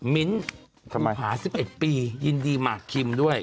มิ้นหา๑๑ปียินดีหมากคิมด้วย